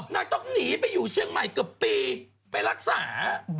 ต้องหนีไปอยู่เชียงใหม่เกือบปีไปรักษา